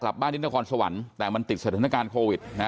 กลับบ้านที่นครสวรรค์แต่มันติดสถานการณ์โควิดนะ